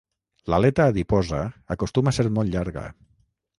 L'aleta adiposa acostuma a ser molt llarga.